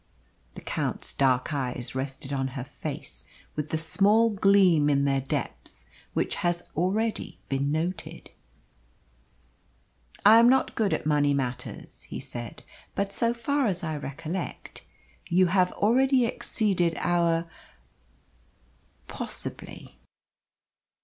The Count's dark eyes rested on her face with the small gleam in their depths which has already been noted. "I am not good at money matters," he said. "But, so far as I recollect, you have already exceeded our " "Possibly."